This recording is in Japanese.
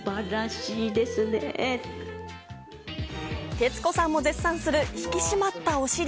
徹子さんも絶賛する、引き締まったお尻。